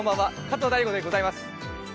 加藤大悟でございます。